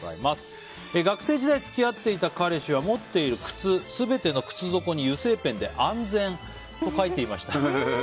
学生時代付き合っていた彼氏は持っている靴全ての靴底に油性ペンで安全と書いていました。